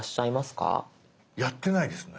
やってないですね。